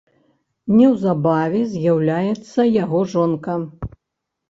Неўзабаве з'яўляецца яго жонка.